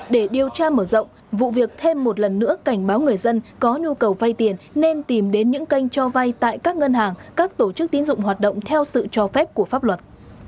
để điều tra mở rộng vụ việc thêm một lần nữa cảnh báo người dân có nhu cầu vay tiền nên tìm đến những kênh cho vay tại các ngân hàng các tổ chức tín dụng hoạt động theo sự cho phép của pháp luật